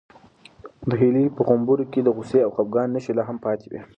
د هیلې په غومبورو کې د غوسې او خپګان نښې لا هم پاتې وې.